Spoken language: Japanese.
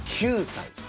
９歳。